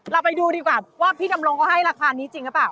เราไปดูดีกว่าว่าพี่ดำรงเขาให้ราคานี้จริงหรือเปล่า